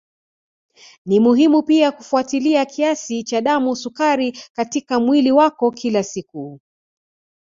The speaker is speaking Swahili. Ni muhimu pia kufuatilia kiasi cha damu sukari katika mwili wako kila siku